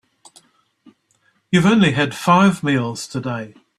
You've only had five meals today.